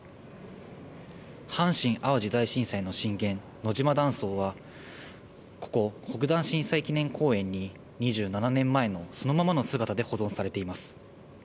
阪神・淡路大震災の震源、野島断層は、ここ、北淡震災記念公園に、２７年前のそのままの姿で保存されています。